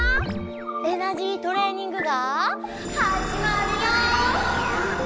エナジートレーニングがはじまるよ！